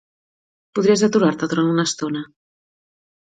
Podries aturar-te durant una estona?